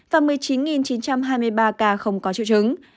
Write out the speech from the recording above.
và một mươi chín chín trăm hai mươi ba ca không có triệu chứng